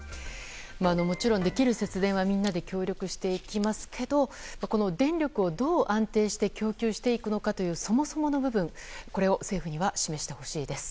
もちろんできる節電はみんなで協力していきますけどこの電力を、どう安定して供給していくのかというそもそもの部分これを政府には示してほしいです。